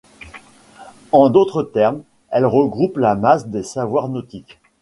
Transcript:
En d'autres termes, elles regroupent la masse des savoirs nautiques.